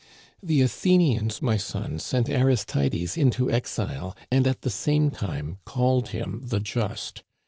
"The Athenians, my son, sent Aristides into exile, and at the same time called him the Just.